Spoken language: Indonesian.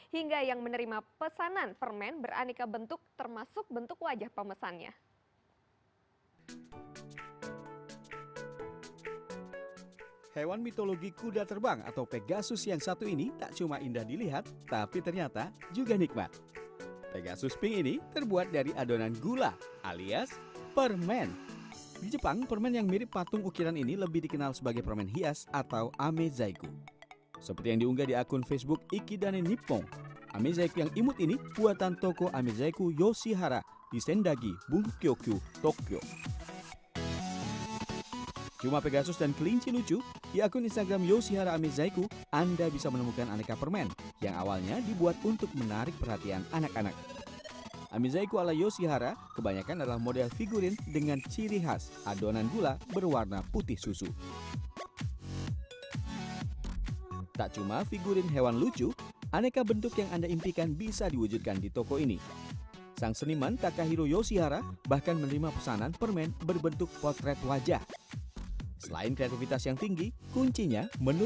hingga yang menerima pesanan permen beranika bentuk termasuk bentuk wajah pemesannya